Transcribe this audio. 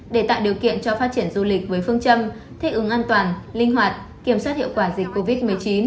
để tạo điều kiện cho phát triển du lịch với phương châm thích ứng an toàn linh hoạt kiểm soát hiệu quả dịch covid một mươi chín